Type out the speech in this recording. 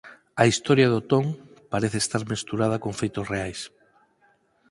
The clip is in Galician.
A historia de Otón parece estar mesturada con feitos reais.